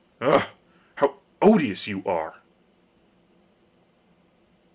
Ugh! how odious you are!